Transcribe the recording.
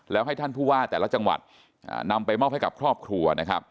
แล้วให้ท่านผู้ว่าแต่ละจังหวัดนำไปมอบให้กับครอบครัวนะครับ